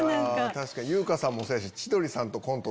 確かに優香さんもそうやし。